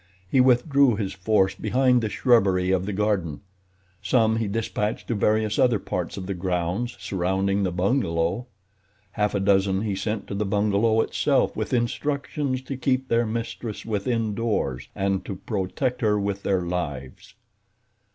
He withdrew his force behind the shrubbery of the garden. Some he dispatched to various other parts of the grounds surrounding the bungalow. Half a dozen he sent to the bungalow itself with instructions to keep their mistress within doors, and to protect her with their lives.